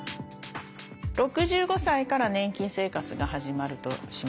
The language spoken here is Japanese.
６５歳から年金生活が始まるとします。